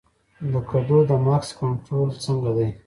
د کدو د مګس کنټرول څنګه دی؟